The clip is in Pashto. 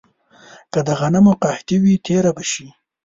که د غنمو قحطي وي، تېره به شي.